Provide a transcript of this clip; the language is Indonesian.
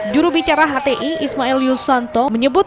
jurubicara hti ismail yusanto menyebut